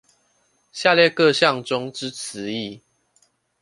下列各項中之詞義